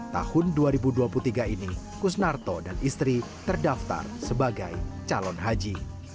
tahun dua ribu dua puluh tiga ini kusnarto dan istri terdaftar sebagai calon haji